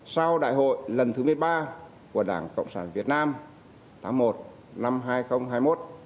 sau đại hội lần thứ một mươi ba của đảng cộng sản việt nam tháng một năm hai nghìn hai mươi một